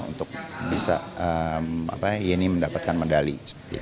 untuk bisa yeni mendapatkan medali